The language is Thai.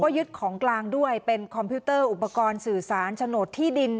ยึดของกลางด้วยเป็นคอมพิวเตอร์อุปกรณ์สื่อสารโฉนดที่ดิน